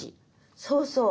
そうそう。